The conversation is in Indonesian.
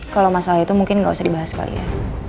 kalo masalah itu mungkin gak usah dibahas kali ya